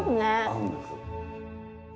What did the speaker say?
合うんです。